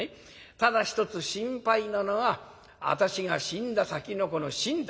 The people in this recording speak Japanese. ただ一つ心配なのは私が死んだ先のこの身代。